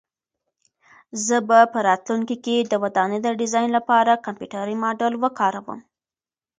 زه به په راتلونکي کې د ودانۍ د ډیزاین لپاره کمپیوټري ماډل وکاروم.